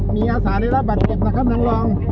มีอาสาได้รับบัตรเจ็บนะครับนางรอง